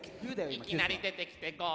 「いきなり出てきてごめん」